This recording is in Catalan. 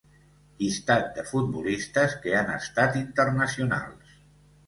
Llistat de futbolistes que han estat internacionals.